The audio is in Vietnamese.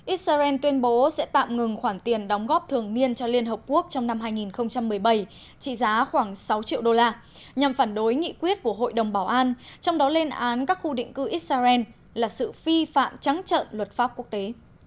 israel tuyên bố sẽ tạm ngừng khoản tiền đóng góp thường niên cho liên hợp quốc trong năm hai nghìn một mươi bảy trị giá khoảng sáu triệu đô la nhằm phản đối nghị quyết của hội đồng bảo an trong đó lên án các khu định cư israel là sự phi phạm trắng trợn luật pháp quốc tế